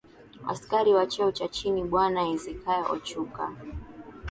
Askari wa cheo cha chini Bwana Hezekiah Ochuka